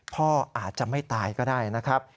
พ่ออาจจะไม่ตายก็ได้นะครับ